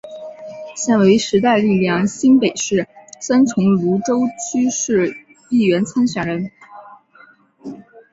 现为时代力量新北市三重芦洲区市议员参选人。